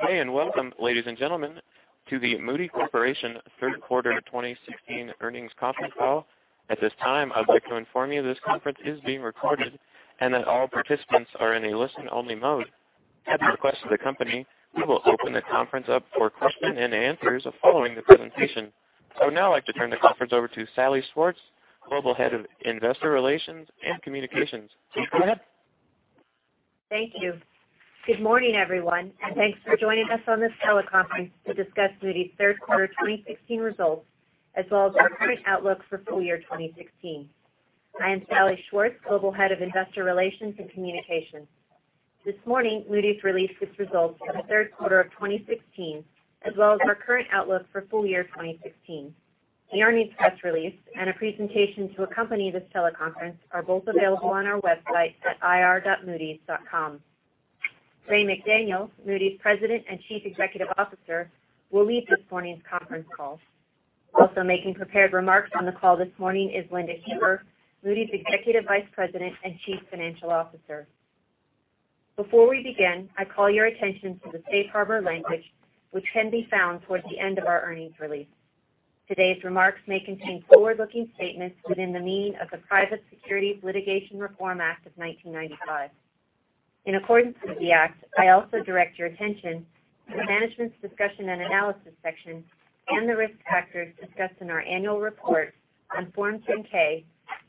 Good day, and welcome, ladies and gentlemen, to the Moody's Corporation third quarter 2016 earnings conference call. At this time, I'd like to inform you this conference is being recorded, and that all participants are in a listen-only mode. At the request of the company, we will open the conference up for question and answers following the presentation. I would now like to turn the conference over to Salli Schwartz, Global Head of Investor Relations and Communications. Go ahead. Thank you. Good morning, everyone, and thanks for joining us on this teleconference to discuss Moody's third quarter 2016 results, as well as our current outlook for full year 2016. I am Salli Schwartz, Global Head of Investor Relations and Communications. This morning, Moody's released its results for the third quarter of 2016, as well as our current outlook for full year 2016. The earnings press release and a presentation to accompany this teleconference are both available on our website at ir.moodys.com. Ray McDaniel, Moody's President and Chief Executive Officer, will lead this morning's conference call. Also making prepared remarks on the call this morning is Linda Huber, Moody's Executive Vice President and Chief Financial Officer. Before we begin, I call your attention to the safe harbor language, which can be found towards the end of our earnings release. Today's remarks may contain forward-looking statements within the meaning of the Private Securities Litigation Reform Act of 1995. In accordance with the act, I also direct your attention to the management's discussion and analysis section and the risk factors discussed in our annual report on Form 10-K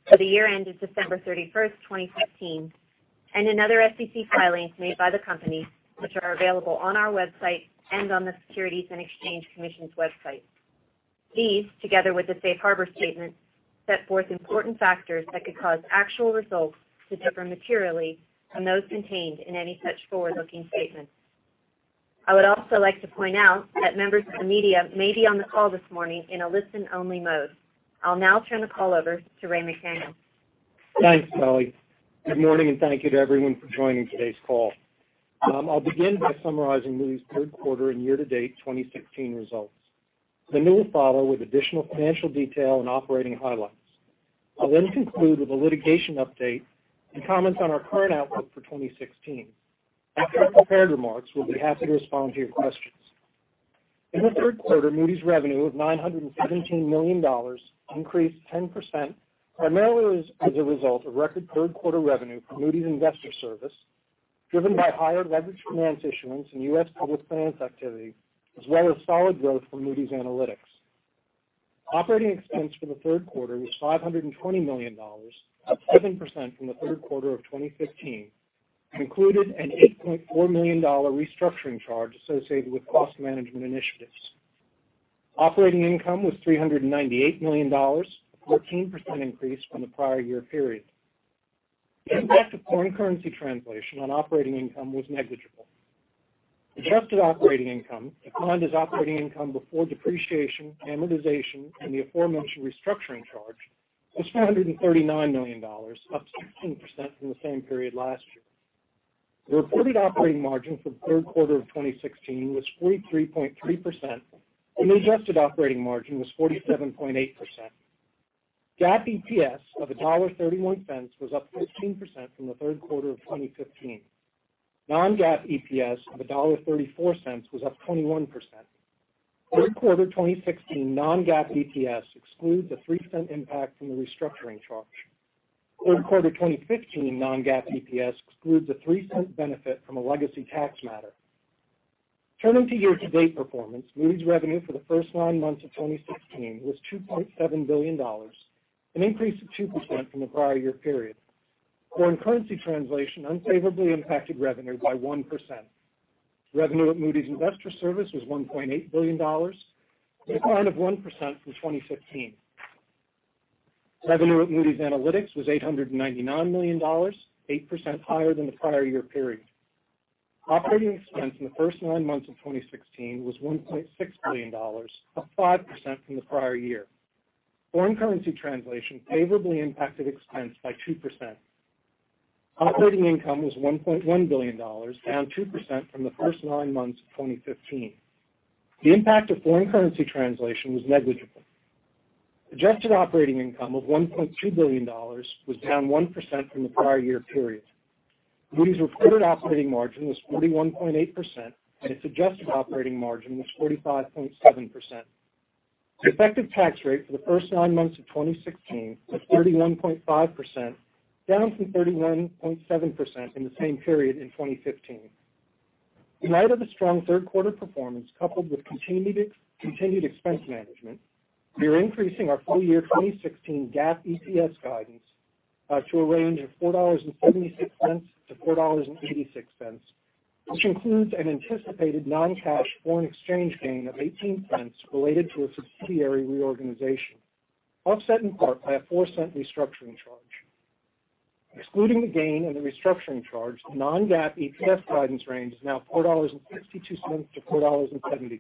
for the year end of December 31st, 2015, and in other SEC filings made by the company, which are available on our website and on the Securities and Exchange Commission's website. These, together with the safe harbor statement, set forth important factors that could cause actual results to differ materially from those contained in any such forward-looking statements. I would also like to point out that members of the media may be on the call this morning in a listen-only mode. I'll now turn the call over to Ray McDaniel. Thanks, Salli. Good morning, and thank you to everyone for joining today's call. I'll begin by summarizing Moody's third quarter and year-to-date 2016 results. Linda will follow with additional financial detail and operating highlights. I'll then conclude with a litigation update and comments on our current outlook for 2016. After our prepared remarks, we'll be happy to respond to your questions. In the third quarter, Moody's revenue of $917 million increased 10%, primarily as a result of record third quarter revenue from Moody's Investors Service, driven by higher leveraged finance issuance and U.S. public finance activity, as well as solid growth from Moody's Analytics. Operating expense for the third quarter was $520 million, up 7% from the third quarter of 2015, and included an $8.4 million restructuring charge associated with cost management initiatives. Operating income was $398 million, a 14% increase from the prior year period. The impact of foreign currency translation on operating income was negligible. Adjusted operating income, defined as operating income before depreciation, amortization, and the aforementioned restructuring charge, was $439 million, up 16% from the same period last year. The reported operating margin for the third quarter of 2016 was 43.3%, and the adjusted operating margin was 47.8%. GAAP EPS of $1.31 was up 15% from the third quarter of 2015. Non-GAAP EPS of $1.34 was up 21%. Third quarter 2016 non-GAAP EPS excludes a $0.03 impact from the restructuring charge. Third quarter 2015 non-GAAP EPS excludes a $0.03 benefit from a legacy tax matter. Turning to year-to-date performance, Moody's revenue for the first nine months of 2016 was $2.7 billion, an increase of 2% from the prior year period. Foreign currency translation unfavorably impacted revenue by 1%. Revenue at Moody's Investors Service was $1.8 billion, a decline of 1% from 2015. Revenue at Moody's Analytics was $899 million, 8% higher than the prior year period. Operating expense in the first nine months of 2016 was $1.6 billion, up 5% from the prior year. Foreign currency translation favorably impacted expense by 2%. Operating income was $1.1 billion, down 2% from the first nine months of 2015. The impact of foreign currency translation was negligible. Adjusted operating income of $1.2 billion was down 1% from the prior year period. Moody's reported operating margin was 41.8%, and its adjusted operating margin was 45.7%. The effective tax rate for the first nine months of 2016 was 31.5%, down from 31.7% in the same period in 2015. In light of the strong third quarter performance, coupled with continued expense management, we are increasing our full year 2016 GAAP EPS guidance to a range of $4.76-$4.86, which includes an anticipated non-cash foreign exchange gain of $0.18 related to a subsidiary reorganization, offset in part by a $0.04 restructuring charge. Excluding the gain and the restructuring charge, the non-GAAP EPS guidance range is now $4.62-$4.72.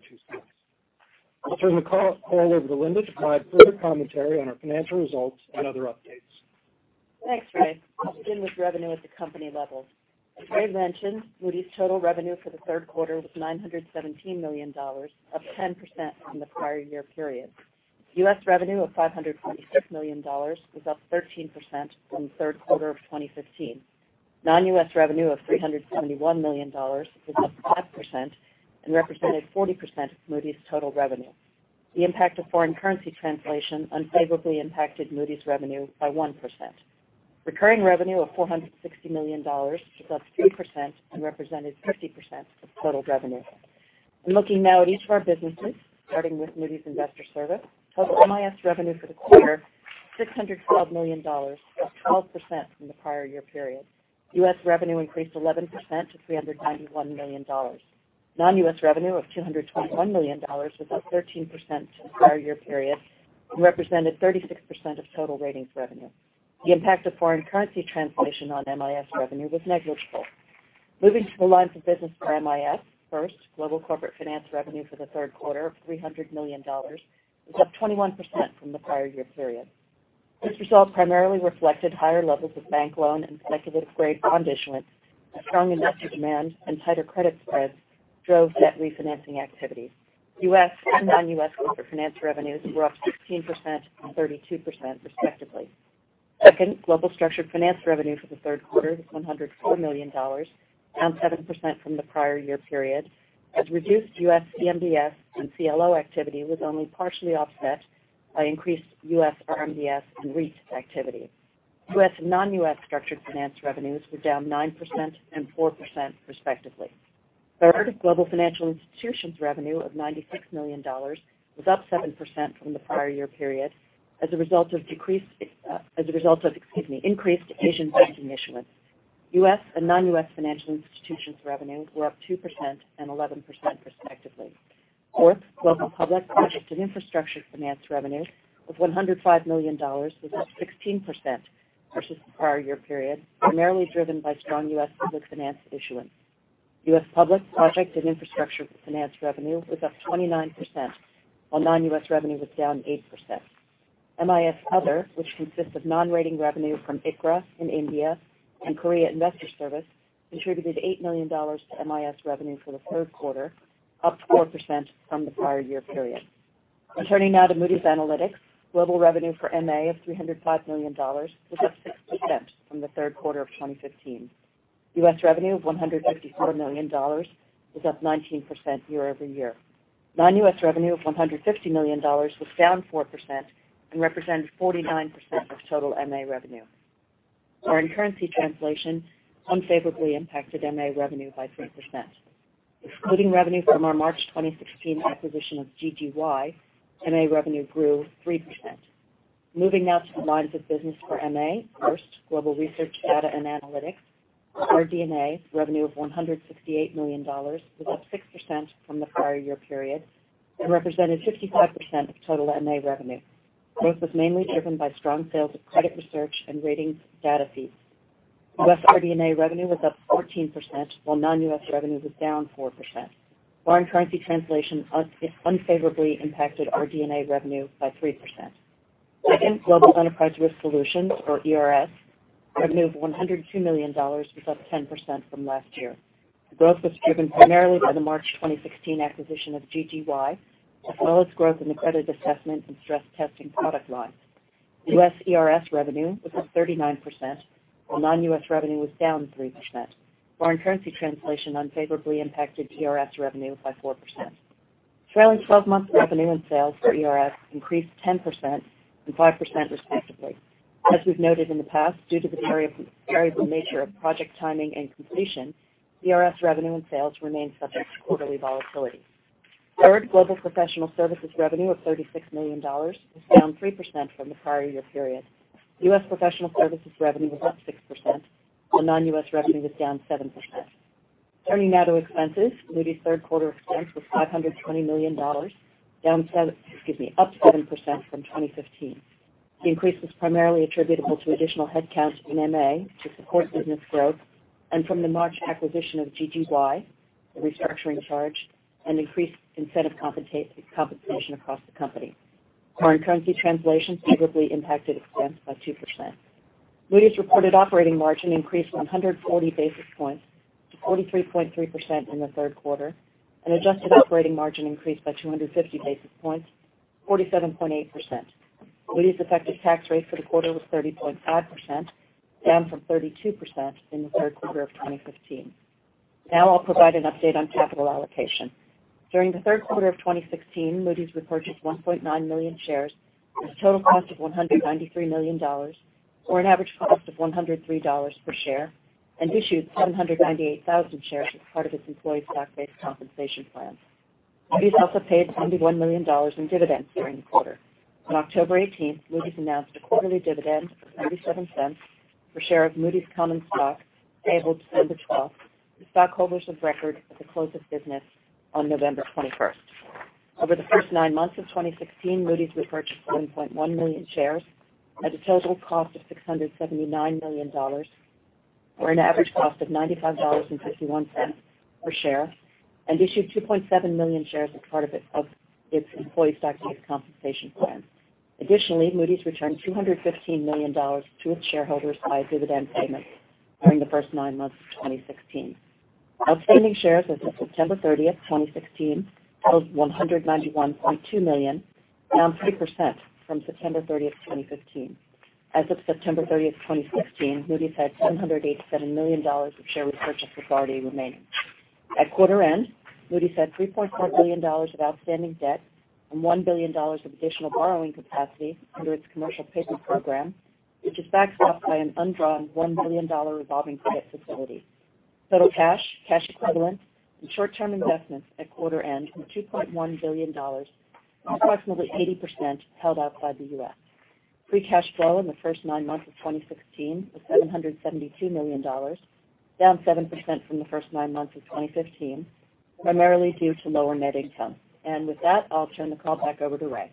I'll turn the call over to Linda to provide further commentary on our financial results and other updates. Thanks, Ray. I'll begin with revenue at the company level. As Ray mentioned, Moody's total revenue for the third quarter was $917 million, up 10% from the prior year period. U.S. revenue of $526 million was up 13% from the third quarter of 2015. Non-U.S. revenue of $371 million was up 5% and represented 40% of Moody's total revenue. The impact of foreign currency translation unfavorably impacted Moody's revenue by 1%. Recurring revenue of $460 million was up 3% and represented 50% of total revenue. Looking now at each of our businesses, starting with Moody's Investors Service. Total MIS revenue for the quarter, $612 million, up 12% from the prior year period. U.S. revenue increased 11% to $391 million. Non-U.S. revenue of $221 million was up 13% since the prior year period and represented 36% of total ratings revenue. The impact of foreign currency translation on MIS revenue was negligible. Moving to the lines of business for MIS. First, global corporate finance revenue for the third quarter of $300 million was up 21% from the prior year period. This result primarily reflected higher levels of bank loan and speculative-grade bond issuance, as strong investor demand and tighter credit spreads drove net refinancing activities. U.S. and non-U.S. corporate finance revenues were up 16% and 32% respectively. Second, global structured finance revenue for the third quarter was $104 million, down 7% from the prior year period, as reduced U.S. CMBS and CLO activity was only partially offset by increased U.S. RMBS and REIT activity. U.S. and non-U.S. structured finance revenues were down 9% and 4% respectively. Third, global financial institutions revenue of $96 million was up 7% from the prior year period as a result of increased Asian banking issuance. U.S. and non-U.S. financial institutions revenue were up 2% and 11% respectively. Fourth, global public project and infrastructure finance revenue of $105 million was up 16% versus the prior year period, primarily driven by strong U.S. public finance issuance. U.S. public project and infrastructure finance revenue was up 29%, while non-U.S. revenue was down 8%. MIS other, which consists of non-rating revenue from ICRA in India and Korea Investors Service, contributed $8 million to MIS revenue for the third quarter, up 4% from the prior year period. Turning now to Moody's Analytics. Global revenue for MA of $305 million was up 6% from the third quarter of 2015. U.S. revenue of $154 million was up 19% year-over-year. Non-U.S. revenue of $150 million was down 4% and represented 49% of total MA revenue. Foreign currency translation unfavorably impacted MA revenue by 3%. Excluding revenue from our March 2016 acquisition of GGY, MA revenue grew 3%. Moving now to the lines of business for MA. First, global research, data, and analytics. RD&A revenue of $168 million was up 6% from the prior year period and represented 55% of total MA revenue. Growth was mainly driven by strong sales of credit research and ratings data feeds. U.S. RD&A revenue was up 14%, while non-U.S. revenue was down 4%. Foreign currency translation unfavorably impacted RD&A revenue by 3%. Second, global enterprise risk solutions, or ERS, revenue of $102 million was up 10% from last year. The growth was driven primarily by the March 2016 acquisition of GGY, as well as growth in the credit assessment and stress testing product lines. U.S. ERS revenue was up 39%, while non-U.S. revenue was down 3%. Foreign currency translation unfavorably impacted ERS revenue by 4%. Trailing 12-months revenue and sales for ERS increased 10% and 5% respectively. As we've noted in the past, due to the variable nature of project timing and completion, ERS revenue and sales remain subject to quarterly volatility. Third, global professional services revenue of $36 million was down 3% from the prior year period. U.S. professional services revenue was up 6%, while non-U.S. revenue was down 7%. Turning now to expenses. Moody's third quarter expense was $520 million, up 7% from 2015. The increase was primarily attributable to additional headcount in MA to support business growth and from the March acquisition of GGY, the restructuring charge, and increased incentive compensation across the company. Foreign currency translation favorably impacted expense by 2%. Moody's reported operating margin increased 140 basis points to 43.3% in the third quarter, and adjusted operating margin increased by 250 basis points to 47.8%. Moody's effective tax rate for the quarter was 30.5%, down from 32% in the third quarter of 2015. I'll provide an update on capital allocation. During the third quarter of 2016, Moody's repurchased 1.9 million shares at a total cost of $193 million, or an average cost of $103 per share, and issued 798,000 shares as part of its employee stock-based compensation plan. Moody's also paid $71 million in dividends during the quarter. On October 18th, Moody's announced a quarterly dividend of $0.77 per share of Moody's common stock, payable December 12th to stockholders of record at the close of business on November 21st. Over the first nine months of 2016, Moody's repurchased 1.1 million shares at a total cost of $679 million, or an average cost of $95.51 per share, and issued 2.7 million shares as part of its employee stock-based compensation plan. Moody's returned $215 million to its shareholders via dividend payments during the first nine months of 2016. Outstanding shares as of September 30th, 2016, total 191.2 million, down 3% from September 30th, 2015. As of September 30th, 2016, Moody's had $787 million of share repurchase authority remaining. At quarter end, Moody's had $3.4 billion of outstanding debt and $1 billion of additional borrowing capacity under its commercial paper program, which is backed up by an undrawn $1 billion revolving credit facility. Total cash equivalents, and short-term investments at quarter end were $2.1 billion, approximately 80% held outside the U.S. Free cash flow in the first nine months of 2016 was $772 million, down 7% from the first nine months of 2015, primarily due to lower net income. With that, I'll turn the call back over to Ray.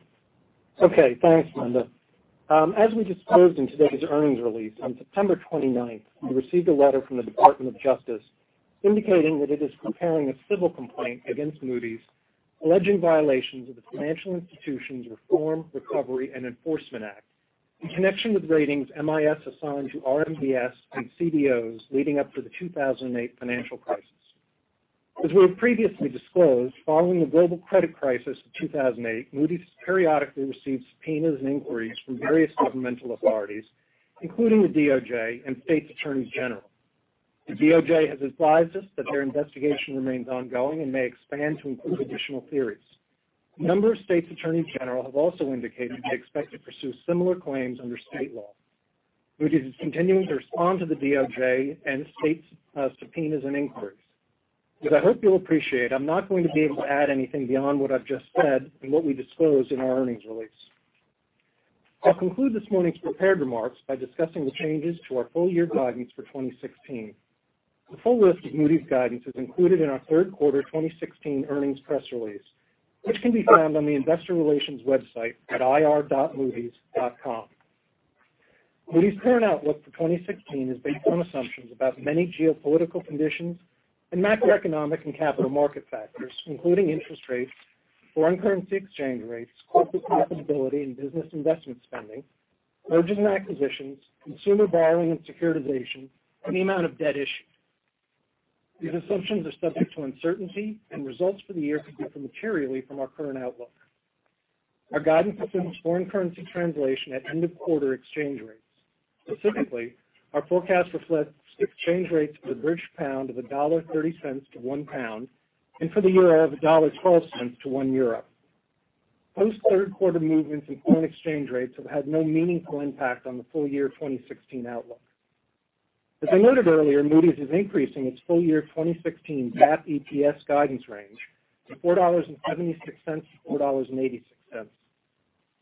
Okay, thanks, Linda. As we disclosed in today's earnings release, on September 29th, we received a letter from the Department of Justice indicating that it is preparing a civil complaint against Moody's, alleging violations of the Financial Institutions Reform, Recovery, and Enforcement Act in connection with ratings MIS assigned to RMBS and CDOs leading up to the 2008 financial crisis. As we have previously disclosed, following the global credit crisis of 2008, Moody's periodically received subpoenas and inquiries from various governmental authorities, including the DOJ and state's attorneys general. The DOJ has advised us that their investigation remains ongoing and may expand to include additional theories. A number of state's attorneys general have also indicated they expect to pursue similar claims under state law. Moody's is continuing to respond to the DOJ and state's subpoenas and inquiries. As I hope you'll appreciate, I'm not going to be able to add anything beyond what I've just said and what we disclosed in our earnings release. I'll conclude this morning's prepared remarks by discussing the changes to our full-year guidance for 2016. The full list of Moody's guidance is included in our third quarter 2016 earnings press release, which can be found on the investor relations website at ir.moodys.com. Moody's current outlook for 2016 is based on assumptions about many geopolitical conditions and macroeconomic and capital market factors, including interest rates, foreign currency exchange rates, corporate profitability and business investment spending, mergers and acquisitions, consumer borrowing and securitization, and the amount of debt issued. These assumptions are subject to uncertainty, and results for the year could differ materially from our current outlook. Our guidance assumes foreign currency translation at end-of-quarter exchange rates. Specifically, our forecast reflects exchange rates for the British pound of $1.30 to £1 and for the euro of $1.12 to €1. Post third quarter movements in foreign exchange rates have had no meaningful impact on the full year 2016 outlook. As I noted earlier, Moody's is increasing its full year 2016 GAAP EPS guidance range to $4.76-$4.86.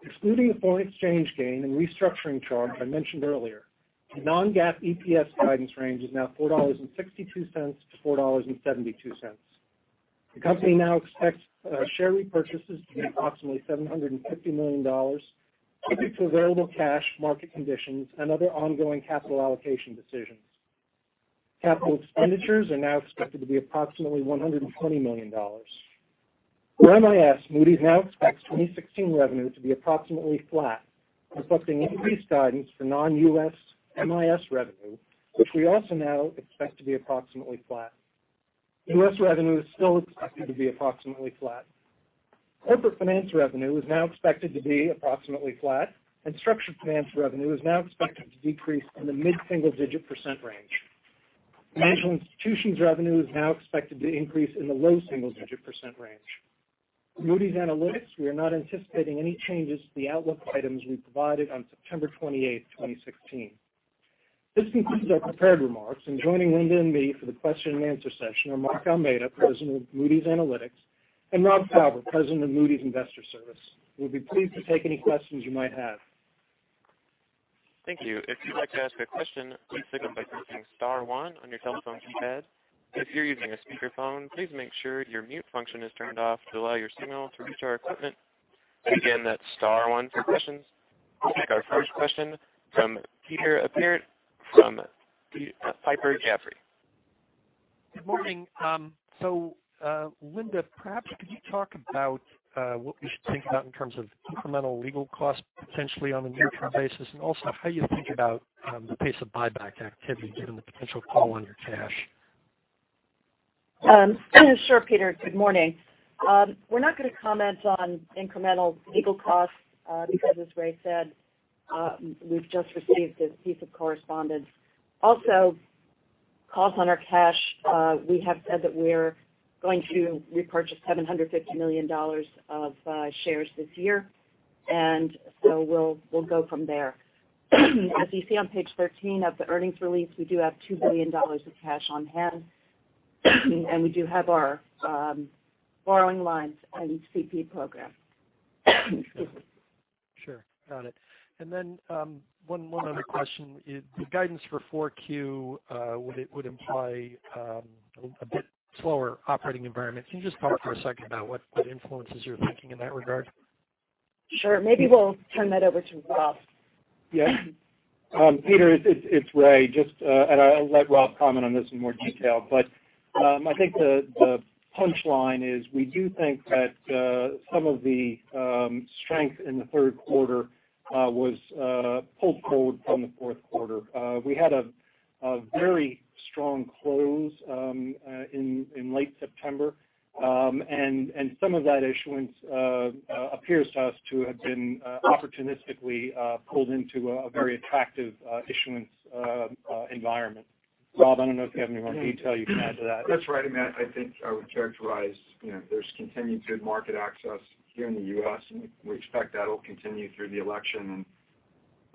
Excluding the foreign exchange gain and restructuring charge I mentioned earlier, the non-GAAP EPS guidance range is now $4.62-$4.72. The company now expects share repurchases to be approximately $750 million, subject to available cash, market conditions, and other ongoing capital allocation decisions. Capital expenditures are now expected to be approximately $120 million. For MIS, Moody's now expects 2016 revenue to be approximately flat, reflecting increased guidance for non-U.S. MIS revenue, which we also now expect to be approximately flat. U.S. revenue is still expected to be approximately flat. Corporate Finance revenue is now expected to be approximately flat, and Structured Finance revenue is now expected to decrease in the mid-single digit % range. Financial Institutions revenue is now expected to increase in the low single-digit % range. For Moody's Analytics, we are not anticipating any changes to the outlook items we provided on September 28, 2016. This concludes our prepared remarks. Joining Linda and me for the question and answer session are Mark Almeida, President of Moody's Analytics, and Rob Fauber, President of Moody's Investors Service. We will be pleased to take any questions you might have. Thank you. If you would like to ask a question, please signal by pressing star one on your telephone keypad. If you are using a speakerphone, please make sure your mute function is turned off to allow your signal to reach our equipment. Again, that is star one for questions. We will take our first question from Peter Appert from Piper Jaffray. Good morning. Linda, perhaps could you talk about what we should think about in terms of incremental legal costs potentially on a near-term basis, and also how you think about the pace of buyback activity given the potential call on your cash? Sure, Peter. Good morning. We're not going to comment on incremental legal costs, because as Ray said, we've just received this piece of correspondence. Calls on our cash, we have said that we're going to repurchase $750 million of shares this year, so we'll go from there. As you see on page 13 of the earnings release, we do have $2 billion of cash on hand, and we do have our borrowing lines and CP program. Excuse me. Sure. Got it. One other question. The guidance for 4Q would imply a bit slower operating environment. Can you just talk for a second about what influences you're thinking in that regard? Sure. Maybe we'll turn that over to Rob. Yeah. Peter, it's Ray. I'll let Rob comment on this in more detail, but I think the punchline is we do think that some of the strength in the third quarter was pulled forward from the fourth quarter. We had a very strong close in late September. Some of that issuance appears to us to have been opportunistically pulled into a very attractive issuance environment. Rob, I don't know if you have any more detail you can add to that. That's right, Matt. I think I would characterize, there's continued good market access here in the U.S., and we expect that'll continue through the election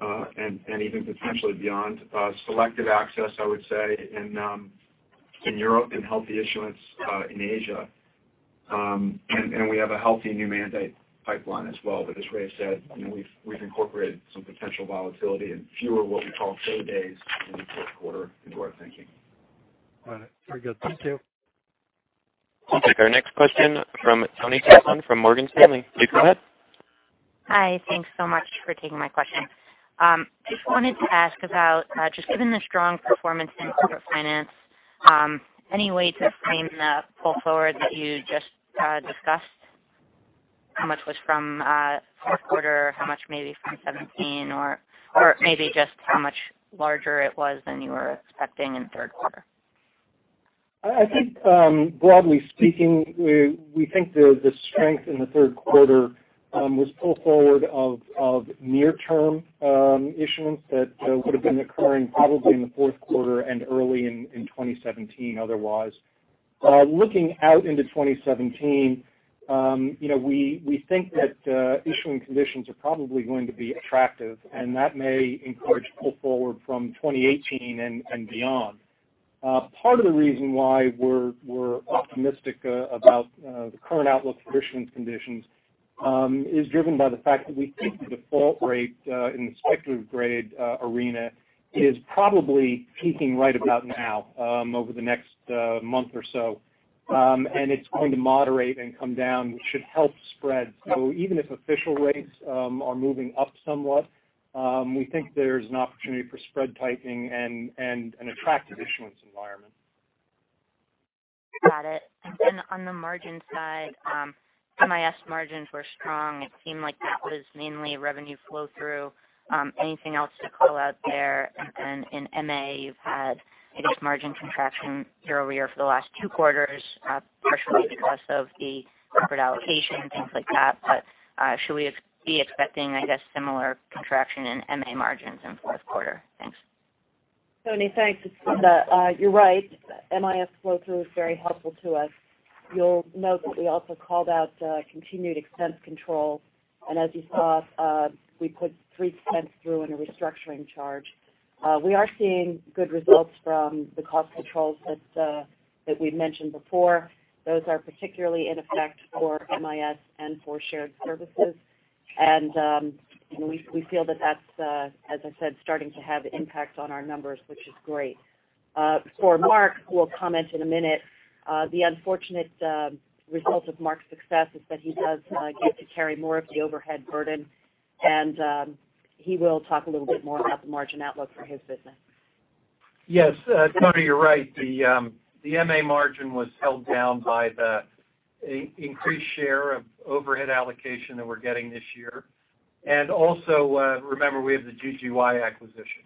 and even potentially beyond. Selective access, I would say, in Europe and healthy issuance in Asia. We have a healthy new mandate pipeline as well, but as Ray said, we've incorporated some potential volatility and fewer what we call pay days in the fourth quarter into our thinking. Got it. Very good. Thank you. We'll take our next question from Toni Kaplan from Morgan Stanley. Please go ahead. Hi. Thanks so much for taking my question. Just wanted to ask about, just given the strong performance in corporate finance, any way to frame the pull forward that you just discussed? How much was from fourth quarter? How much maybe from 2017 or maybe just how much larger it was than you were expecting in the third quarter? I think, broadly speaking, we think the strength in the third quarter was pull forward of near-term issuance that would've been occurring probably in the fourth quarter and early in 2017, otherwise. Looking out into 2017, we think that issuing conditions are probably going to be attractive, and that may encourage pull forward from 2018 and beyond. Part of the reason why we're optimistic about the current outlook for issuance conditions is driven by the fact that we think the default rate in the speculative grade arena is probably peaking right about now, over the next month or so. It's going to moderate and come down, which should help spread. Even if official rates are moving up somewhat, we think there's an opportunity for spread tightening and an attractive issuance environment. Got it. On the margin side, MIS margins were strong. It seemed like that was mainly revenue flow-through. Anything else to call out there? In MA, you've had, I guess, margin contraction year-over-year for the last two quarters partially because of the corporate allocation, things like that. Should we be expecting, I guess, similar contraction in MA margins in fourth quarter? Thanks. Toni, thanks. You're right. MIS flow-through is very helpful to us. You'll note that we also called out continued expense control. As you saw, we put $0.03 through in a restructuring charge. We are seeing good results from the cost controls that we've mentioned before. Those are particularly in effect for MIS and for shared services. We feel that that's, as I said, starting to have impact on our numbers, which is great. For Mark, who will comment in a minute, the unfortunate result of Mark's success is that he does get to carry more of the overhead burden, and he will talk a little bit more about the margin outlook for his business. Yes. Toni, you're right. The MA margin was held down by the increased share of overhead allocation that we're getting this year. Also, remember, we have the GGY acquisition,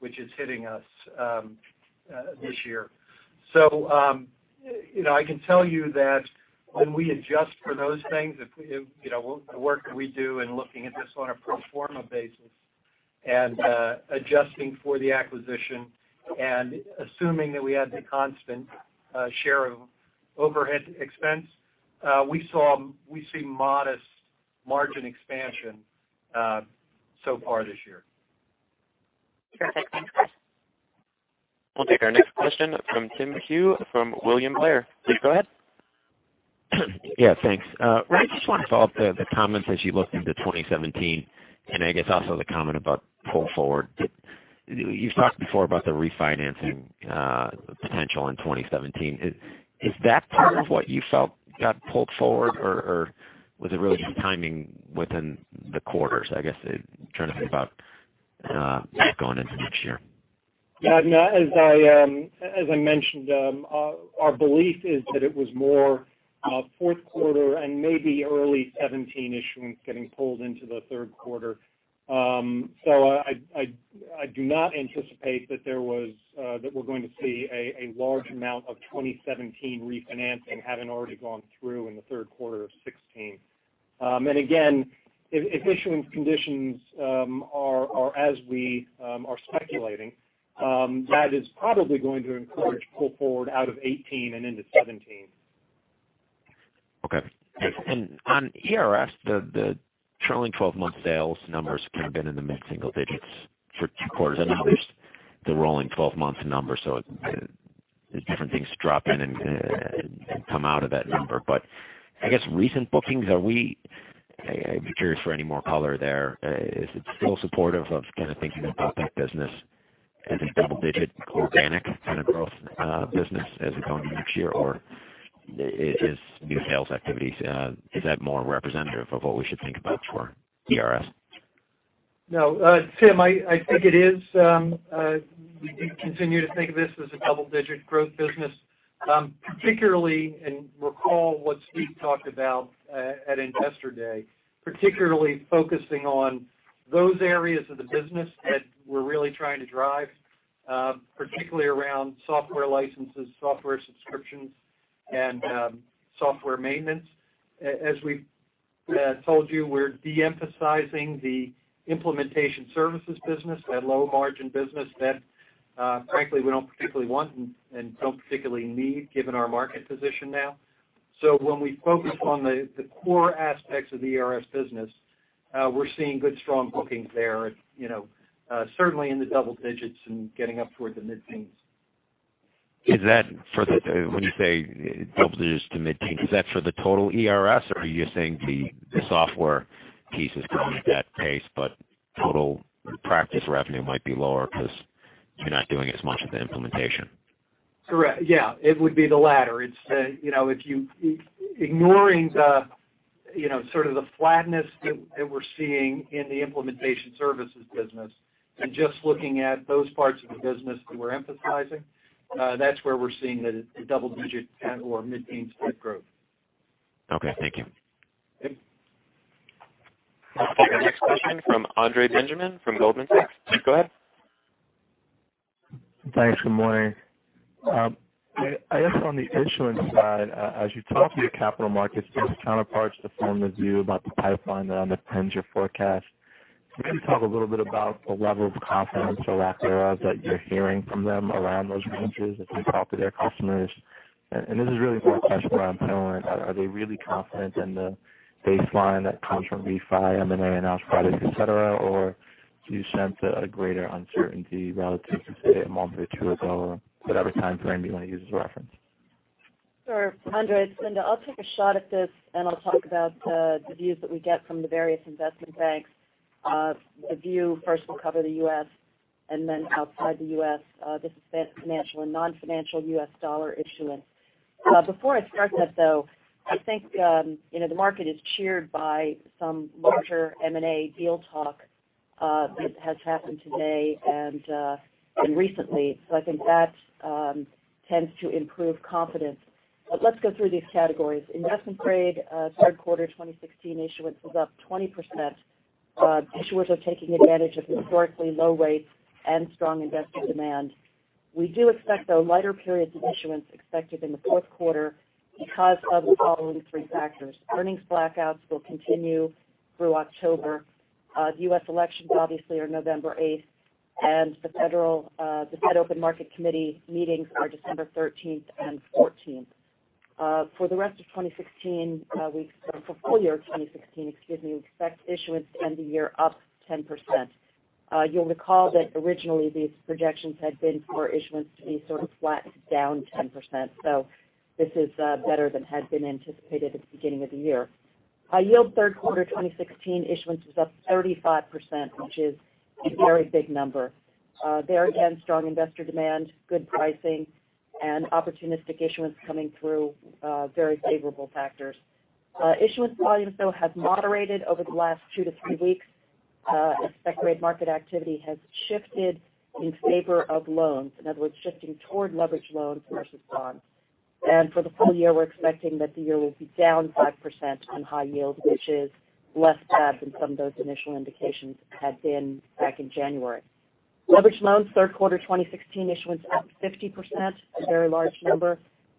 which is hitting us this year. I can tell you that when we adjust for those things, the work that we do in looking at this on a pro forma basis and adjusting for the acquisition and assuming that we had the constant share of overhead expense, we see modest margin expansion so far this year. Perfect. Thanks, guys. We'll take our next question from Tim McHugh from William Blair. Please go ahead. Thanks. Ray, I just want to follow up the comments as you looked into 2017, I guess also the comment about pull forward. You've talked before about the refinancing potential in 2017. Is that part of what you felt got pulled forward, or was it really just timing within the quarters? I guess, trying to think about going into next year. As I mentioned, our belief is that it was more fourth quarter and maybe early 2017 issuance getting pulled into the third quarter. I do not anticipate that we're going to see a large amount of 2017 refinancing having already gone through in the third quarter of 2016. Again, if issuance conditions are as we are speculating, that is probably going to encourage pull forward out of 2018 and into 2017. Okay. On ERS, the trailing 12-month sales numbers kind of been in the mid-single digits for two quarters. I know there's the rolling 12-month number, there's different things drop in and come out of that number. I guess recent bookings, I'd be curious for any more color there. Is it still supportive of kind of thinking about that business as a double-digit organic kind of growth business as we go into next year? Is new sales activities, is that more representative of what we should think about for ERS? No. Tim, I think it is. We do continue to think of this as a double-digit growth business Particularly, recall what Steve talked about at Investor Day, particularly focusing on those areas of the business that we're really trying to drive, particularly around software licenses, software subscriptions, and software maintenance. As we've told you, we're de-emphasizing the implementation services business, that low-margin business that, frankly, we don't particularly want and don't particularly need given our market position now. When we focus on the core aspects of the ERS business, we're seeing good strong bookings there. Certainly in the double digits and getting up toward the mid-teens. When you say double digits to mid-teens, is that for the total ERS or are you saying the software piece is growing at that pace, but total practice revenue might be lower because you're not doing as much of the implementation? Correct. Yeah. It would be the latter. Ignoring the sort of the flatness that we're seeing in the implementation services business and just looking at those parts of the business that we're emphasizing, that's where we're seeing the double-digit and/or mid-teens type growth. Okay, thank you. Okay. Our next question from Andre Benjamin from Goldman Sachs. Please go ahead. Thanks. Good morning. I guess on the issuance side, as you talk to your capital markets business counterparts to form the view about the pipeline that underpins your forecast, can you talk a little bit about the level of confidence or lack thereof that you're hearing from them around those ranges as they talk to their customers? This is really more a question around timing. Are they really confident in the baseline that comes from refi, M&A announced products, et cetera? Or do you sense a greater uncertainty relative to, say, a month or two ago or whatever time frame you want to use as a reference? Sure, Andre. It's Linda. I'll take a shot at this, and I'll talk about the views that we get from the various investment banks. The view first will cover the U.S. and then outside the U.S. This is financial and non-financial U.S. dollar issuance. Before I start that, though, I think the market is cheered by some larger M&A deal talk that has happened today and recently. I think that tends to improve confidence. Let's go through these categories. Investment grade third quarter 2016 issuance was up 20%. Issuers are taking advantage of historically low rates and strong investor demand. We do expect, though, lighter periods of issuance expected in the fourth quarter because of the following three factors. Earnings blackouts will continue through October. The U.S. elections obviously are November 8th, and the Federal Open Market Committee meetings are December 13th and 14th. For full year 2016, excuse me, we expect issuance to end the year up 10%. You'll recall that originally these projections had been for issuance to be sort of flat to down 10%, so this is better than had been anticipated at the beginning of the year. High yield third quarter 2016 issuance was up 35%, which is a very big number. There again, strong investor demand, good pricing, and opportunistic issuance coming through very favorable factors. Issuance volumes, though, have moderated over the last two to three weeks as spec-grade market activity has shifted in favor of loans. In other words, shifting toward leverage loans versus bonds. For the full year, we're expecting that the year will be down 5% on high yield, which is less bad than some of those initial indications had been back in January. Leverage loans third quarter 2016 issuance up 50%, a very large number.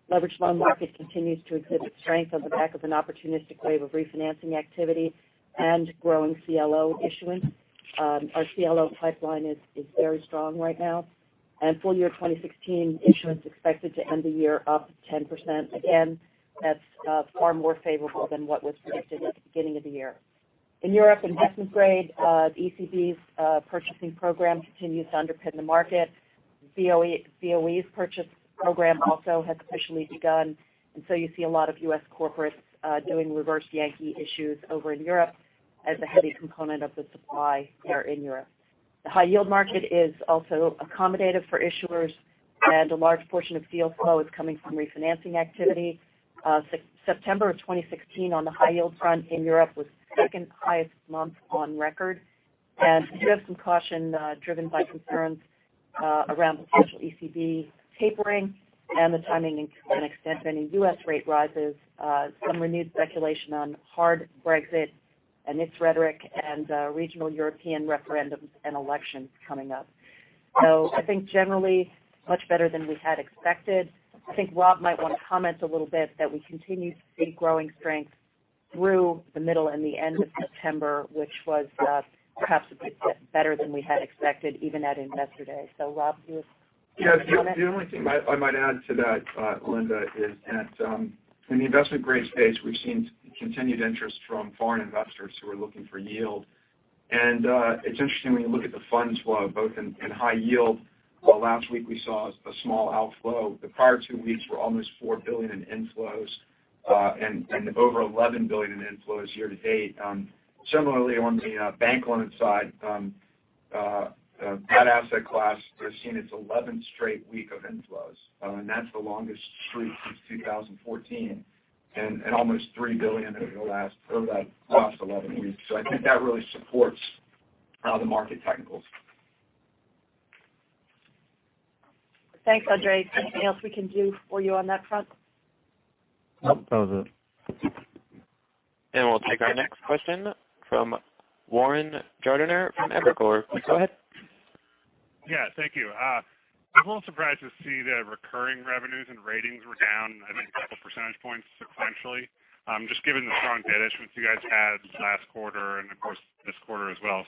Leverage loan market continues to exhibit strength on the back of an opportunistic wave of refinancing activity and growing CLO issuance. Our CLO pipeline is very strong right now. Full year 2016 issuance expected to end the year up 10%. Again, that's far more favorable than what was predicted at the beginning of the year. In Europe investment grade, the ECB's purchasing program continues to underpin the market. BOE's purchase program also has officially begun, you see a lot of U.S. corporates doing reverse Yankee issues over in Europe as a heavy component of the supply there in Europe. The high yield market is also accommodative for issuers, and a large portion of deal flow is coming from refinancing activity. September of 2016 on the high yield front in Europe was second highest month on record. You have some caution driven by concerns around potential ECB tapering and the timing and extent of any U.S. rate rises, some renewed speculation on hard Brexit and its rhetoric and regional European referendums and elections coming up. I think generally much better than we had expected. I think Rob might want to comment a little bit that we continue to see growing strength through the middle and the end of September, which was perhaps a bit better than we had expected even at Investor Day. Rob, do you want to comment? Yeah. The only thing I might add to that, Linda, is that in the investment grade space, we've seen continued interest from foreign investors who are looking for yield. It's interesting when you look at the funds flow, both in high yield, while last week we saw a small outflow, the prior two weeks were almost $4 billion in inflows and over $11 billion in inflows year to date. Similarly, on the bank loan side, that asset class has seen its 11th straight week of inflows. That's the longest streak since 2014, and almost $3 billion over that last 11 weeks. I think that really supports the market technicals. Thanks, Andre. Is there anything else we can do for you on that front? Nope, that was it. We'll take our next question from Warren Gardiner from Evercore. Please go ahead. Yeah. Thank you. I'm a little surprised to see the recurring revenues and ratings were down, I think, a couple percentage points sequentially. Just given the strong debt issuance you guys had last quarter and of course, this quarter as well.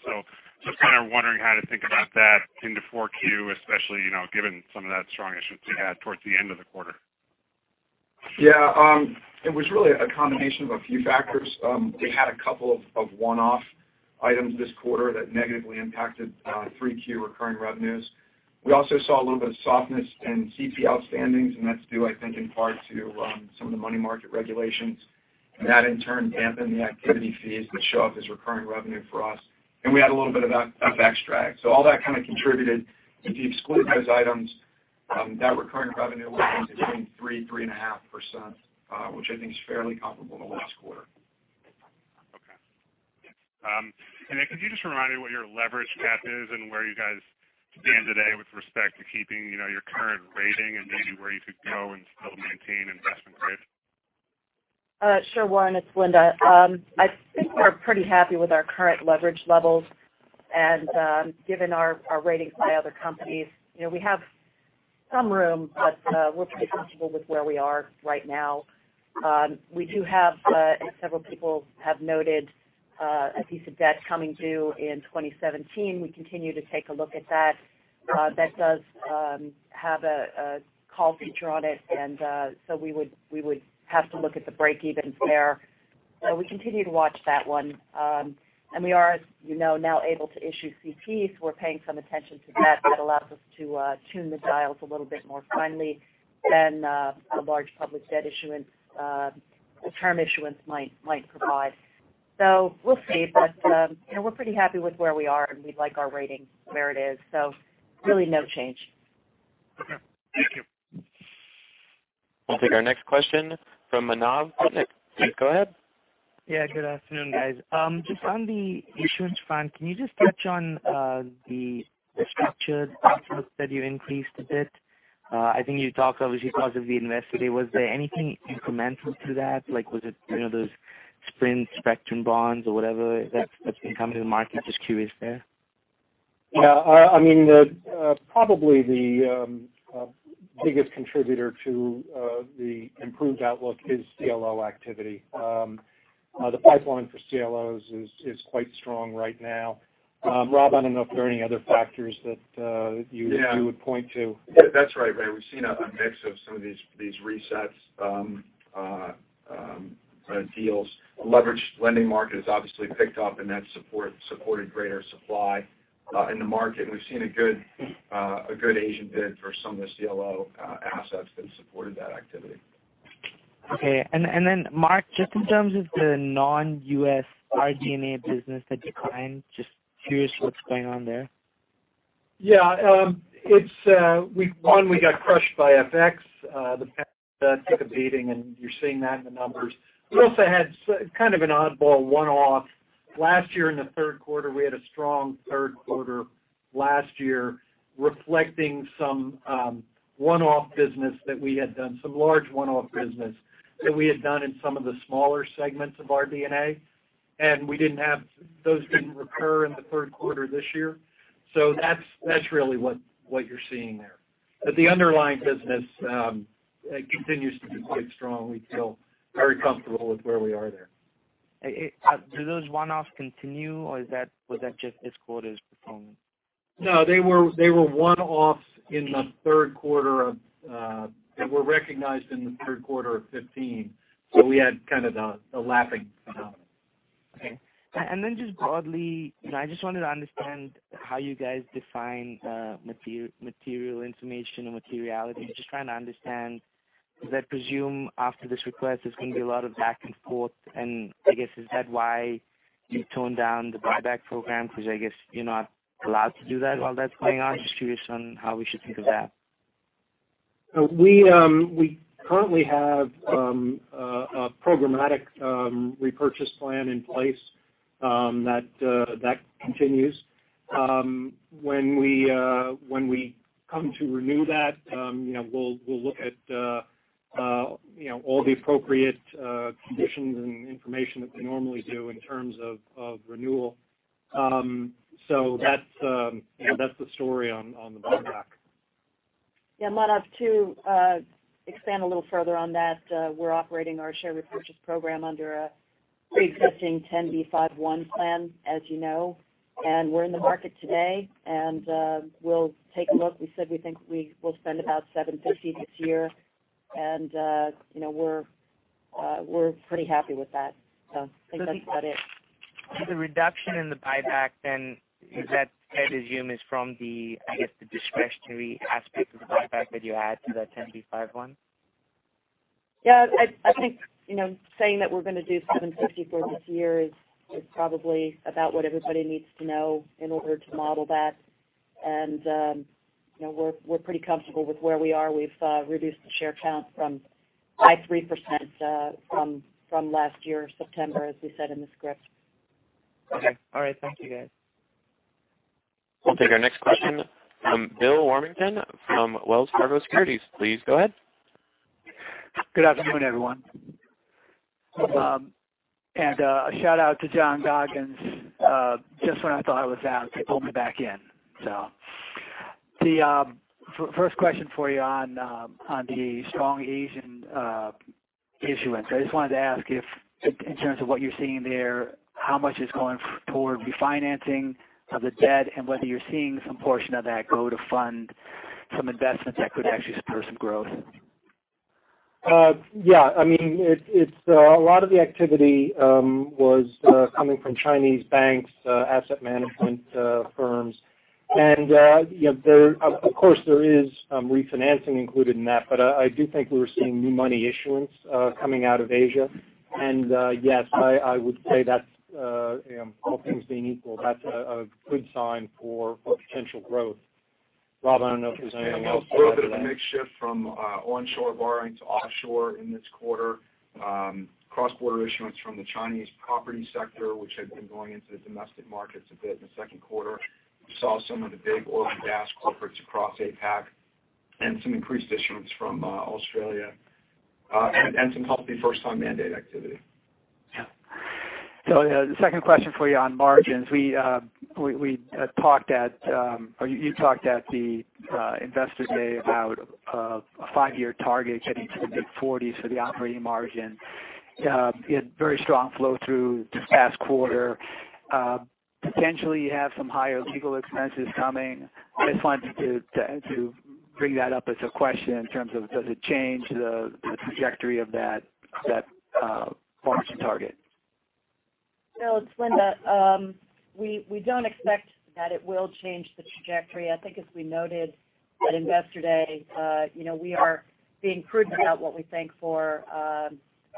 Just kind of wondering how to think about that into 4Q, especially, given some of that strong issuance you had towards the end of the quarter. It was really a combination of a few factors. We had a couple of one-off items this quarter that negatively impacted 3Q recurring revenues. We also saw a little bit of softness in CP outstandings. That's due, I think, in part to some of the money market regulations. That in turn dampened the activity fees that show up as recurring revenue for us. We had a little bit of FX drag. All that kind of contributed. If you exclude those items, that recurring revenue was between 3%-3.5%, which I think is fairly comparable to last quarter. Okay. Yeah. Could you just remind me what your leverage path is and where you guys stand today with respect to keeping your current rating and maybe where you could go and still maintain investment grade? Sure, Warren, it's Linda. I think we're pretty happy with our current leverage levels. Given our ratings by other companies, we have some room, but we're pretty comfortable with where we are right now. We do have, as several people have noted, a piece of debt coming due in 2017. We continue to take a look at that. That does have a call feature on it. We would have to look at the breakevens there. We continue to watch that one. We are, as you know, now able to issue CPs. We're paying some attention to that. That allows us to tune the dials a little bit more finely than a large public debt issuance, a term issuance might provide. We'll see. We're pretty happy with where we are, and we like our rating where it is. Really no change. Okay. Thank you. I'll take our next question from Manav. Go ahead. Yeah. Good afternoon, guys. Just on the issuance front, can you just touch on the structured outlook that you increased a bit? I think you talked obviously positively invested. Was there anything incremental to that? Like was it those Sprint spectrum bonds or whatever that's been coming to the market? Just curious there. Yeah. Probably the biggest contributor to the improved outlook is CLO activity. The pipeline for CLOs is quite strong right now. Rob, I don't know if there are any other factors that you would point to. Yeah. That's right, Ray. We've seen a mix of some of these resets deals. The leverage lending market has obviously picked up, and that supported greater supply in the market. We've seen a good Asian bid for some of the CLO assets that supported that activity. Okay. Mark, just in terms of the non-U.S. RD&A business that declined, just curious what's going on there. Yeah. One, we got crushed by FX. The pound took a beating, and you're seeing that in the numbers. We also had kind of an oddball one-off. Last year in the third quarter, we had a strong third quarter last year reflecting some one-off business that we had done, some large one-off business that we had done in some of the smaller segments of RD&A. Those didn't recur in the third quarter this year. That's really what you're seeing there. The underlying business continues to do quite strong. We feel very comfortable with where we are there. Do those one-offs continue, or was that just this quarter's performance? No, they were one-offs in the third quarter. They were recognized in the third quarter of 2015. We had kind of a lapping phenomenon. Okay. Just broadly, I just wanted to understand how you guys define material information and materiality. Just trying to understand because I presume after this request, there's going to be a lot of back and forth. I guess, is that why you toned down the buyback program? Because I guess you're not allowed to do that while that's going on. Just curious on how we should think of that. We currently have a programmatic repurchase plan in place. That continues. When we come to renew that we'll look at all the appropriate conditions and information that we normally do in terms of renewal. That's the story on the buyback. Yeah. Manav, to expand a little further on that, we're operating our share repurchase program under a preexisting 10b5-1 plan, as you know. We're in the market today, and we'll take a look. We said we think we will spend about $750 this year. We're pretty happy with that. I think that's about it. The reduction in the buyback, I presume is from, I guess, the discretionary aspect of the buyback that you add to that 10b5-1? Yeah. I think saying that we're going to do $750 for this year is probably about what everybody needs to know in order to model that. We're pretty comfortable with where we are. We've reduced the share count by 3% from last year, September, as we said in the script. Okay. All right. Thank you, guys. We'll take our next question from Bill Warmington from Wells Fargo Securities. Please go ahead. Good afternoon, everyone. A shout-out to John Goggins. Just when I thought I was out, they pulled me back in. The first question for you on the strong Asian issuance. I just wanted to ask if, in terms of what you're seeing there, how much is going toward refinancing of the debt and whether you're seeing some portion of that go to fund some investments that could actually support some growth? Yeah. A lot of the activity was coming from Chinese banks, asset management firms. Of course there is some refinancing included in that. I do think we were seeing new money issuance coming out of Asia. Yes, I would say that all things being equal, that's a good sign for potential growth. Rob, I don't know if there's anything else to add to that. A little bit of a mix shift from onshore borrowing to offshore in this quarter. Cross-border issuance from the Chinese property sector, which had been going into the domestic markets a bit in the second quarter. We saw some of the big oil and gas corporates across APAC and some increased issuance from Australia, and some healthy first-time mandate activity. Yeah. The second question for you on margins. You talked at the Investor Day about a five-year target getting to the mid-40s for the operating margin. You had very strong flow through this past quarter. Potentially you have some higher legal expenses coming. I just wanted to bring that up as a question in terms of does it change the trajectory of that margin target? Bill, it's Linda. We don't expect that it will change the trajectory. I think as we noted at Investor Day, we are being prudent about what we think for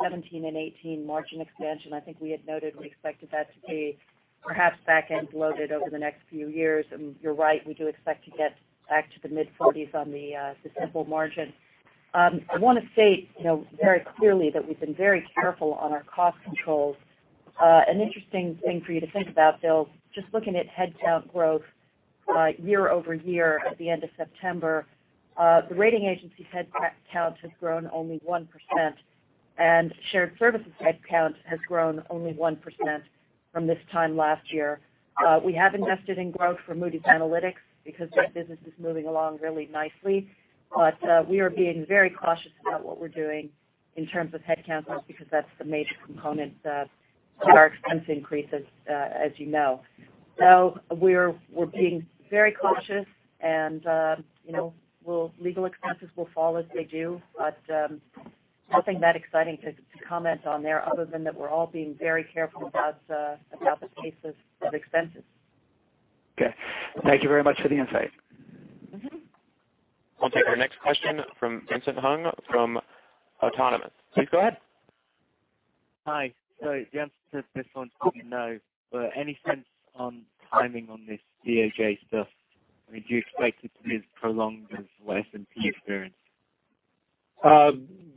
2017 and 2018 margin expansion. I think we had noted we expected that to be perhaps back-end loaded over the next few years. You're right, we do expect to get back to the mid-forties on the simple margin. I want to state very clearly that we've been very careful on our cost controls. An interesting thing for you to think about, Bill, just looking at headcount growth year-over-year at the end of September. The rating agency headcount has grown only 1%, and shared services headcount has grown only 1% from this time last year. We have invested in growth for Moody's Analytics because that business is moving along really nicely. We are being very cautious about what we're doing in terms of headcounts, because that's the major component to our expense increases as you know. We're being very cautious, and legal expenses will fall as they do. Nothing that exciting to comment on there other than that we're all being very careful about the pace of expenses. Okay. Thank you very much for the insight. I'll take our next question from Vincent Hung from Autonomous. Please go ahead. Hi. The answer to this one is probably no, but any sense on timing on this DOJ stuff? Do you expect it to be as prolonged as the S&P experience?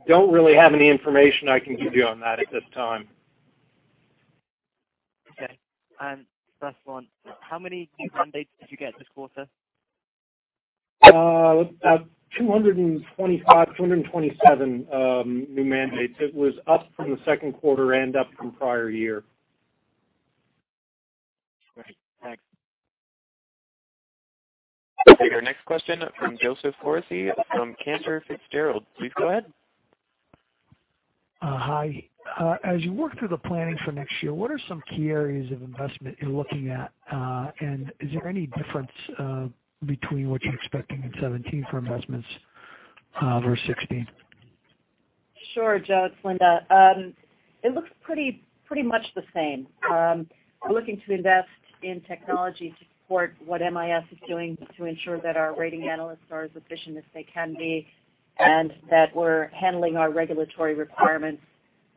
Don't really have any information I can give you on that at this time. Okay. Second one, how many new mandates did you get this quarter? About 225, 227 new mandates. It was up from the second quarter and up from prior year. Great. Thanks. We'll take our next question from Joseph Foresi from Cantor Fitzgerald. Please go ahead. Hi. As you work through the planning for next year, what are some key areas of investment you're looking at? Is there any difference between what you're expecting in 2017 for investments versus 2016? Sure, Joe, it's Linda. It looks pretty much the same. We're looking to invest in technology to support what MIS is doing to ensure that our rating analysts are as efficient as they can be, and that we're handling our regulatory requirements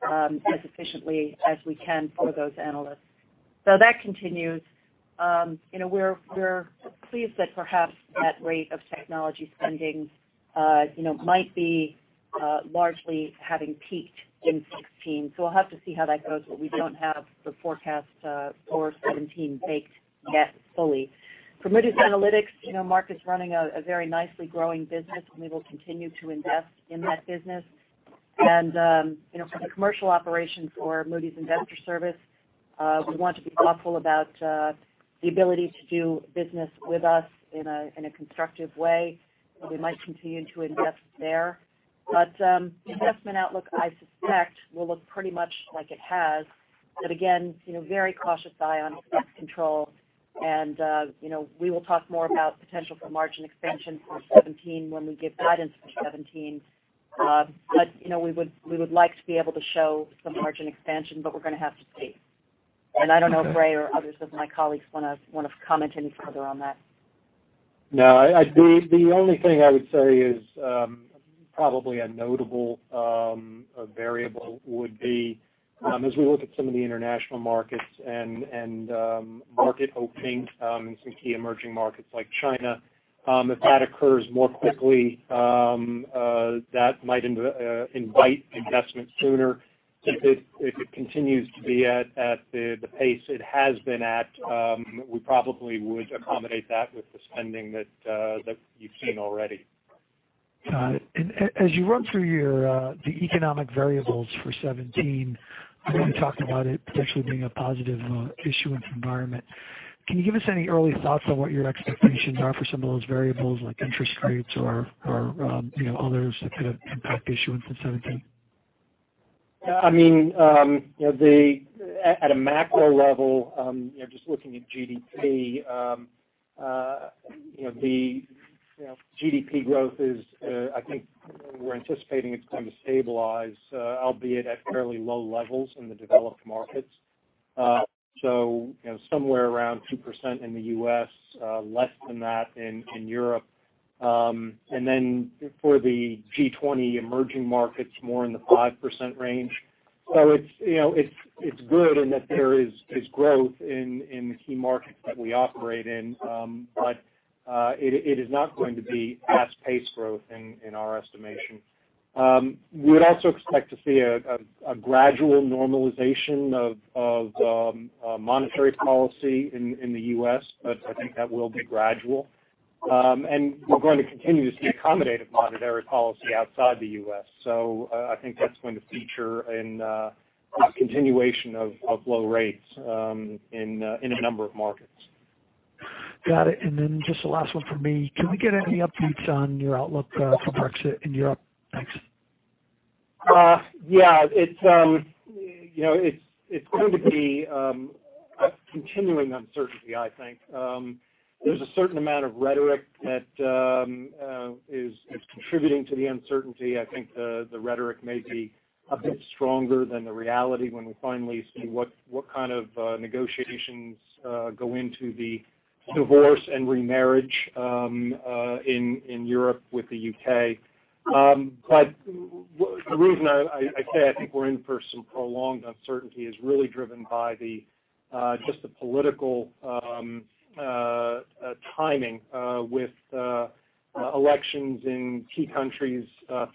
as efficiently as we can for those analysts. That continues. We're pleased that perhaps that rate of technology spending might be largely having peaked in 2016. We'll have to see how that goes, but we don't have the forecast for 2017 baked yet fully. For Moody's Analytics, Mark is running a very nicely growing business, and we will continue to invest in that business. From the commercial operations for Moody's Investors Service we want to be thoughtful about the ability to do business with us in a constructive way. We might continue to invest there. The investment outlook, I suspect, will look pretty much like it has. Again, very cautious eye on expense control. We will talk more about potential for margin expansion for 2017 when we give guidance for 2017. We would like to be able to show some margin expansion, but we're going to have to see. I don't know if Ray or others of my colleagues want to comment any further on that. No. The only thing I would say is probably a notable variable would be as we look at some of the international markets and market openings in some key emerging markets like China. If that occurs more quickly, that might invite investment sooner. If it continues to be at the pace it has been at, we probably would accommodate that with the spending that you've seen already. Got it. As you run through the economic variables for 2017, you talked about it potentially being a positive issuance environment. Can you give us any early thoughts on what your expectations are for some of those variables, like interest rates or others that could impact issuance in 2017? At a macro level, just looking at GDP, the GDP growth, I think we're anticipating it's going to stabilize, albeit at fairly low levels in the developed markets. Somewhere around 2% in the U.S., less than that in Europe. Then for the G20 emerging markets, more in the 5% range. It's good in that there is growth in the key markets that we operate in. It is not going to be fast-paced growth in our estimation. We would also expect to see a gradual normalization of monetary policy in the U.S., but I think that will be gradual. We're going to continue to see accommodative monetary policy outside the U.S. I think that's going to feature in the continuation of low rates in a number of markets. Got it. Just the last one from me. Can we get any updates on your outlook for Brexit in Europe? Thanks. Yeah. It's going to be a continuing uncertainty, I think. There's a certain amount of rhetoric that is contributing to the uncertainty. I think the rhetoric may be a bit stronger than the reality when we finally see what kind of negotiations go into the divorce and remarriage in Europe with the U.K. The reason I say I think we're in for some prolonged uncertainty is really driven by just the political timing with elections in key countries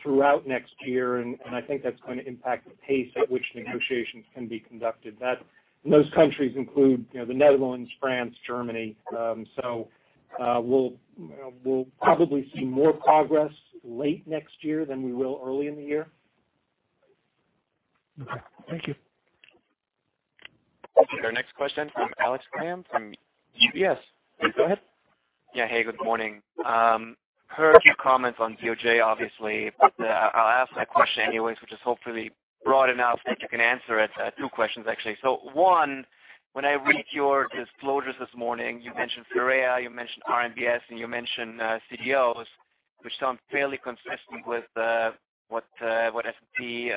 throughout next year. I think that's going to impact the pace at which negotiations can be conducted. Those countries include the Netherlands, France, Germany. We'll probably see more progress late next year than we will early in the year. Okay. Thank you. Our next question from Alex Kramm from UBS. Please go ahead. Good morning. Heard your comments on DOJ, obviously, but I'll ask my question anyways, which is hopefully broad enough that you can answer it. Two questions, actually. When I read your disclosures this morning, you mentioned FIRREA, you mentioned RMBS, and you mentioned CDOs, which sound fairly consistent with what S&P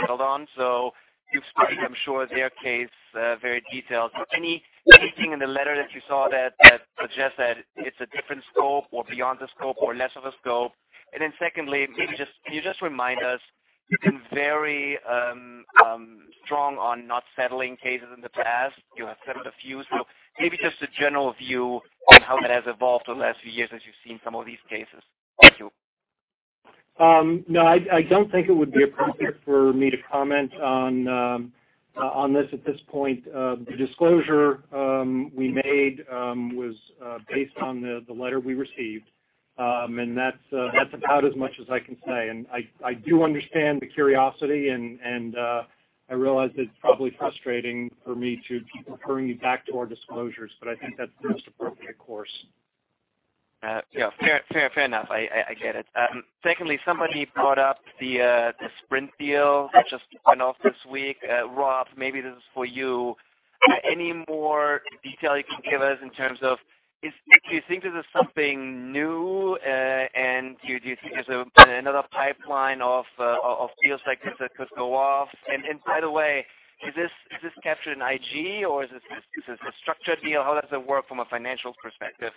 settled on. You've studied, I'm sure, their case very detailed. Anything in the letter that you saw that suggests that it's a different scope or beyond the scope or less of a scope? Secondly, can you just remind us, you've been very strong on not settling cases in the past. You have settled a few. Maybe just a general view on how that has evolved over the last few years as you've seen some of these cases. Thank you. I don't think it would be appropriate for me to comment on this at this point. The disclosure we made was based on the letter we received. That's about as much as I can say. I do understand the curiosity, and I realize it's probably frustrating for me to keep referring you back to our disclosures, but I think that's the most appropriate course. Fair enough. I get it. Secondly, somebody brought up the Sprint deal that just went off this week. Rob, maybe this is for you. Any more detail you can give us in terms of, do you think this is something new? Do you think there's another pipeline of deals like this that could go off? By the way, is this captured in IG or is this a structured deal? How does it work from a financial perspective?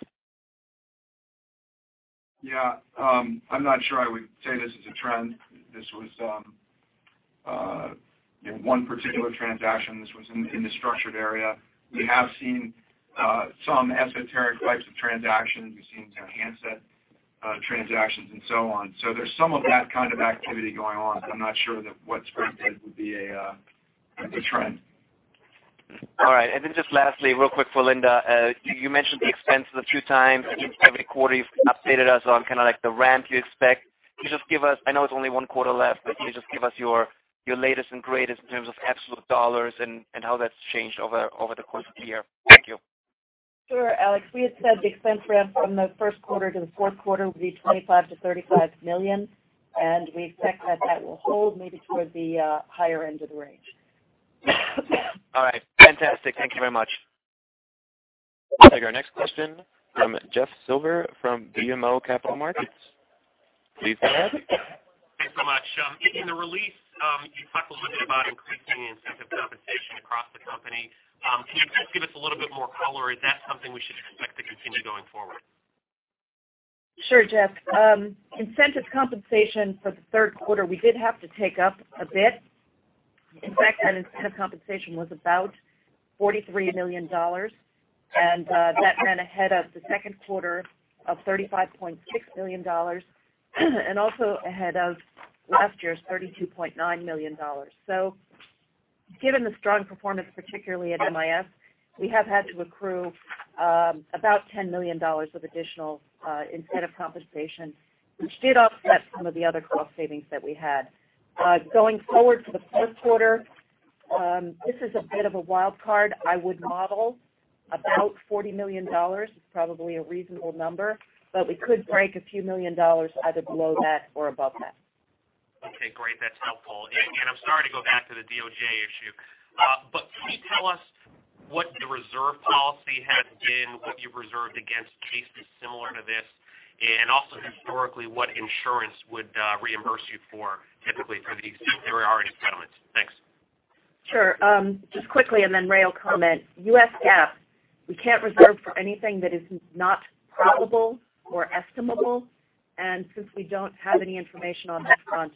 I'm not sure I would say this is a trend. This was one particular transaction. This was in the structured area. We have seen some esoteric types of transactions. We've seen handset transactions and so on. There's some of that kind of activity going on, but I'm not sure that what Sprint did would be a trend. All right. Just lastly, real quick for Linda. You mentioned the expense a few times. Every quarter you've updated us on kind of like the ramp you expect. I know it's only one quarter left, but can you just give us your latest and greatest in terms of absolute dollars and how that's changed over the course of the year? Thank you. Sure, Alex. We had said the expense ramp from the first quarter to the fourth quarter would be $25 million-$35 million, We expect that that will hold maybe toward the higher end of the range. All right. Fantastic. Thank you very much. Our next question from Jeff Silber from BMO Capital Markets. Please go ahead. In the release, you talked a little bit about increasing incentive compensation across the company. Can you just give us a little bit more color? Is that something we should expect to continue going forward? Sure, Jeff. Incentive compensation for the third quarter, we did have to take up a bit. In fact, that incentive compensation was about $43 million. That ran ahead of the second quarter of $35.6 million, and also ahead of last year's $32.9 million. Given the strong performance, particularly at MIS, we have had to accrue about $10 million of additional incentive compensation, which did offset some of the other cost savings that we had. Going forward to the fourth quarter, this is a bit of a wild card. I would model about $40 million is probably a reasonable number, but we could break a few million dollars either below that or above that. Okay, great. That's helpful. I'm sorry to go back to the DOJ issue. Can you tell us what the reserve policy has been, what you reserved against cases similar to this? Also historically, what insurance would reimburse you for typically for these, if there are any settlements? Thanks. Sure. Just quickly and then Ray will comment. US GAAP, we can't reserve for anything that is not probable or estimable. Since we don't have any information on that front,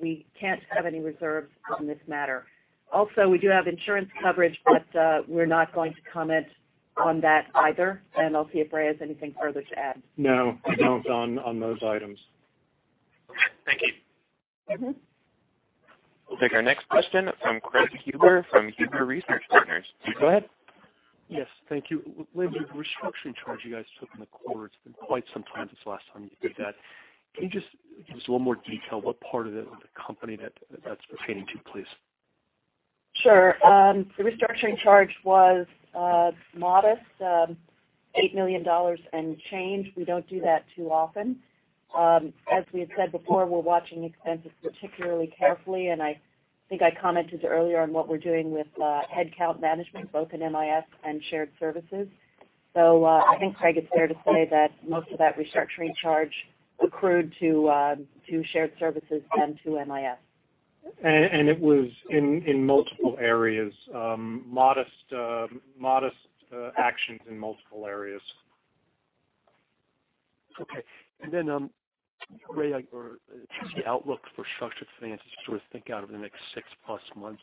we can't have any reserves on this matter. Also, we do have insurance coverage, but we're not going to comment on that either. I'll see if Ray has anything further to add. No. Not on those items. Okay. Thank you. We'll take our next question from Craig Huber from Huber Research Partners. Go ahead. Yes. Thank you. Linda, the restructuring charge you guys took in the quarter, it's been quite some time since the last time you did that. Can you just give us a little more detail what part of the company that's pertaining to, please? Sure. The restructuring charge was modest, $8 million and change. We don't do that too often. As we have said before, we're watching expenses particularly carefully, and I think I commented earlier on what we're doing with headcount management, both in MIS and shared services. I think, Craig, it's fair to say that most of that restructuring charge accrued to shared services than to MIS. It was in multiple areas. Modest actions in multiple areas. Okay. Ray, the outlook for structured finances sort of think out over the next six-plus months.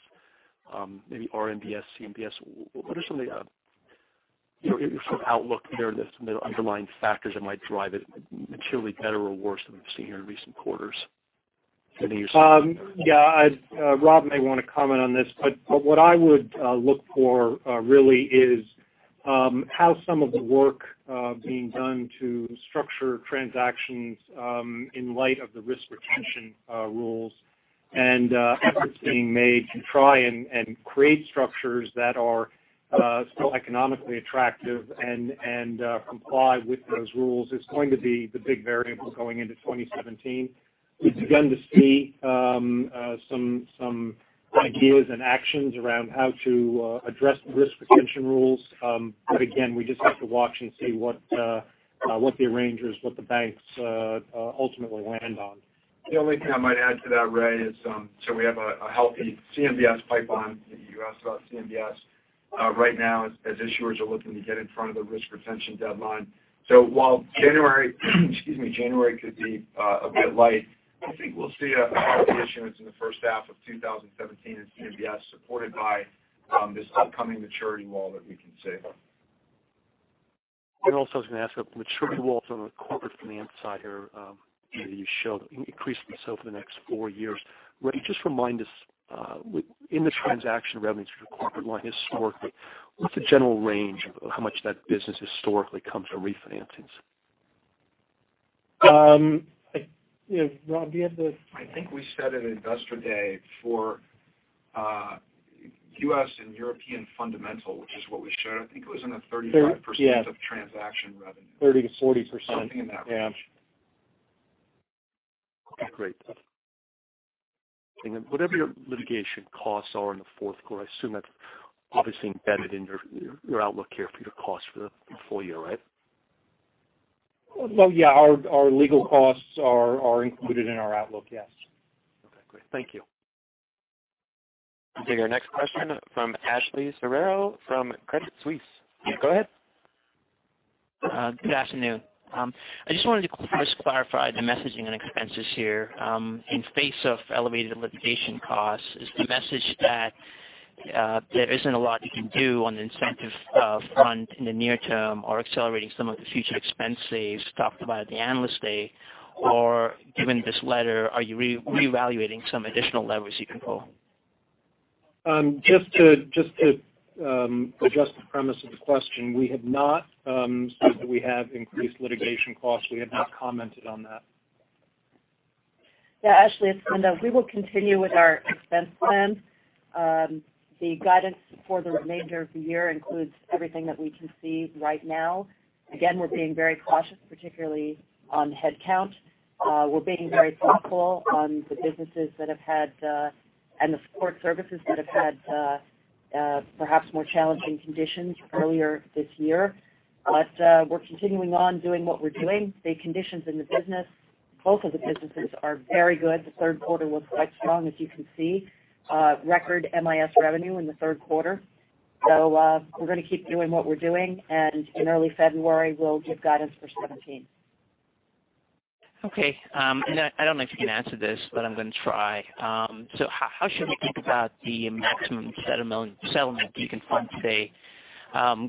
Maybe RMBS, CMBS. What are some of the sort of outlook there, some of the underlying factors that might drive it materially better or worse than we've seen here in recent quarters? Yeah. Rob may want to comment on this, what I would look for really is how some of the work being done to structure transactions in light of the risk retention rules and efforts being made to try and create structures that are still economically attractive and comply with those rules is going to be the big variable going into 2017. We've begun to see some ideas and actions around how to address the risk retention rules. Again, we just have to watch and see what the arrangers, what the banks ultimately land on. The only thing I might add to that, Ray, is we have a healthy CMBS pipeline that you asked about CMBS right now as issuers are looking to get in front of the risk retention deadline. While January could be a bit light, I think we'll see a lot of the issuance in the first half of 2017 in CMBS supported by this upcoming maturity wall that we can see. Also, I was going to ask about the maturity walls on the corporate finance side here. Maybe you showed increasing itself in the next four years. Ray, just remind us, in the transaction revenues for the corporate line historically, what's the general range of how much that business historically comes from refinancings? Rob, do you have the? I think we said at Investor Day for U.S. and European fundamental, which is what we showed, I think it was in the 35%. Yeah of transaction revenue. 30%-40%. Something in that range. Yeah. Okay, great. Whatever your litigation costs are in the fourth quarter, I assume that's obviously embedded in your outlook here for your costs for the full year, right? Well, yeah, our legal costs are included in our outlook, yes. Okay, great. Thank you. We'll take our next question from Ashley Serrao from Credit Suisse. Go ahead. Good afternoon. I just wanted to first clarify the messaging on expenses here. In face of elevated litigation costs, is the message that there isn't a lot you can do on the incentive front in the near term, accelerating some of the future expense saves talked about at the Analyst Day? Given this letter, are you reevaluating some additional levers you can pull? Just to adjust the premise of the question. We have not stated that we have increased litigation costs. We have not commented on that. Yeah, Ashley, it's Linda. We will continue with our expense plans. The guidance for the remainder of the year includes everything that we can see right now. Again, we're being very cautious, particularly on headcount. We're being very thoughtful on the businesses and the support services that have had perhaps more challenging conditions earlier this year. We're continuing on doing what we're doing. The conditions in the business, both of the businesses are very good. The third quarter was quite strong, as you can see. Record MIS revenue in the third quarter. We're going to keep doing what we're doing, and in early February, we'll give guidance for 2017. Okay. I don't know if you can answer this, I'm going to try. How should we think about the maximum settlement you can fund, say,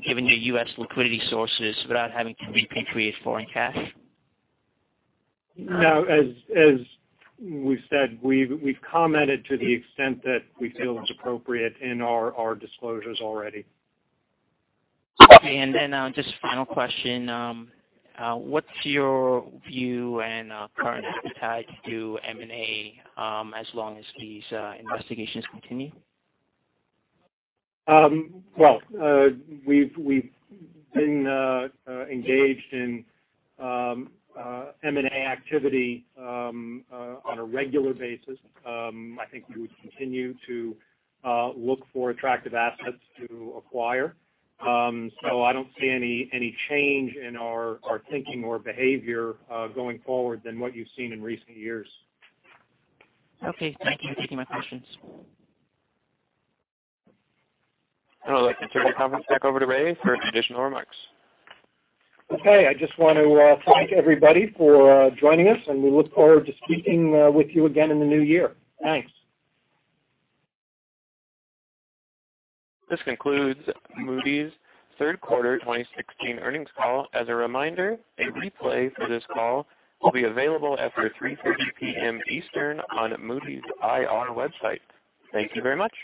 given your U.S. liquidity sources without having to repatriate foreign cash? No, as we've said, we've commented to the extent that we feel is appropriate in our disclosures already. Okay. Just final question. What's your view and current appetite to do M&A as long as these investigations continue? Well, we've been engaged in M&A activity on a regular basis. I think we would continue to look for attractive assets to acquire. I don't see any change in our thinking or behavior going forward than what you've seen in recent years. Okay. Thank you for taking my questions. I would like to turn the conference back over to Ray for any additional remarks. Okay. I just want to thank everybody for joining us, and we look forward to speaking with you again in the new year. Thanks. This concludes Moody's third quarter 2016 earnings call. As a reminder, a replay for this call will be available after 3:30 P.M. Eastern on Moody's IR website. Thank you very much